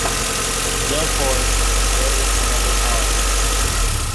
Therefore, there is another hour.